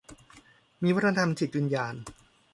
มีวัฒนธรรมจิตวิญญาณ